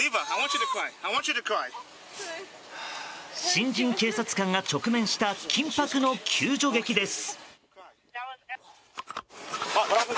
新人警察官が直面した緊迫の救助劇です。